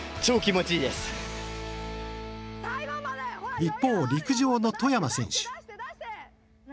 一方、陸上の外山選手。